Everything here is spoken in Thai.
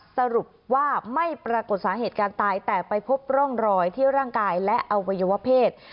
สรุปว่าไม่ปรากฏสาเหตุการตายแต่ไปพบร่องรอยที่ร่างกายและอวัยวเพศ